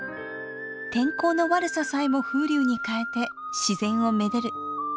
天候の悪ささえも風流にかえて自然をめでる粋な言葉です。